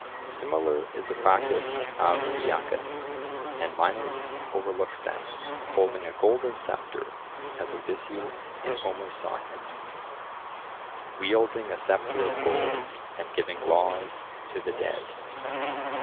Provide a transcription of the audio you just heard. Similar is the practice of Aeacus; and Minos overlooks them, holding a golden sceptre, as Odysseus in Homer saw him "Wielding a sceptre of gold, and giving laws to the dead."